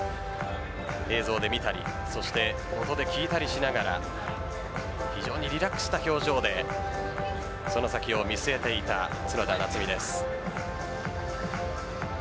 映像で見たりそして音で聞いたりしながら非常にリラックスした表情でその先を見据えていた角田夏実です。